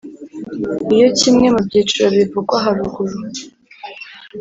Iyo kimwe mu byiciro bivugwa haruguru